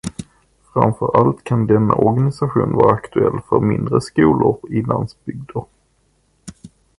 Framför allt kan denna organisation vara aktuell för mindre skolor i landsbygder.